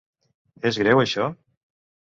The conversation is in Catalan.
És greu, això?